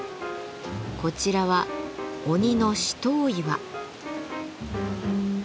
こちらは「鬼の試刀岩」。